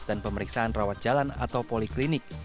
dan pemeriksaan rawat jalan atau poliklinik